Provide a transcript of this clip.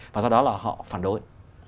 và do đó là họ phản đối